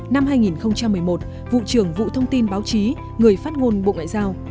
năm hai nghìn một mươi một vụ trưởng vụ thông tin báo chí người phát ngôn bộ ngoại giao